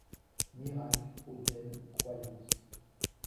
Miracle, autel, croyance